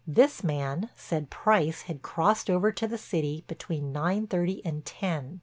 This man said Price had crossed over to the city between nine thirty and ten.